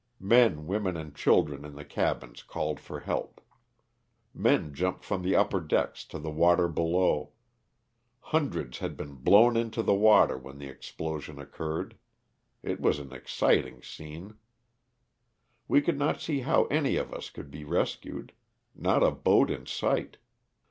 Men, women and children in the cabins called for help. Men jumped from the upper decks to the water below. Hundreds had been blown into the water when the explosion occurred. It was an exciting scene. We could not see how any of us could be rescued. Not a boat in sight.